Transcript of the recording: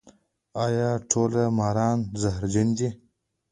ایا ټول ماران زهرجن دي؟